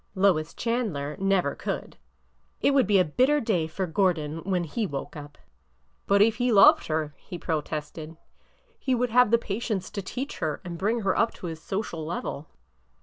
Lois Chandler never could! It would be a bitter day for Gordon when he woke up." But if he loved her," he protested, " he would have patience to teach her and bring her up to his social level."